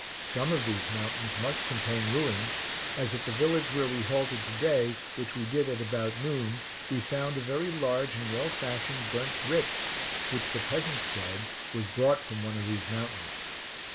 Some of these mountains must contain ruins, as at the village where we halted to day, which we did at about noon, we found a very large and well fashioned burnt brick, which the peasants said was brought from one of these mountains.